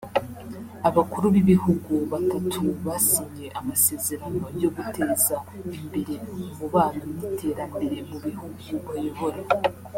Abakuru b’ibihugu batatu basinye amasezerano yo guteza imbere umubano n’iterambere mu bihugu bayobora